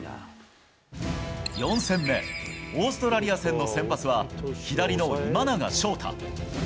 ４戦目、オーストラリア戦の先発は左の今永昇太。